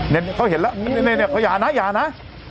นี่เขาเห็นแล้วเนี่ยเขาอย่านะอย่านะ